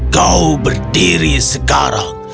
kau berdiri sekarang